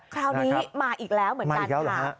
คราวนี้มาอีกแล้วเหมือนกันค่ะ